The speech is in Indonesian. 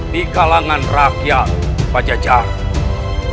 di kalangan rakyat pejajaran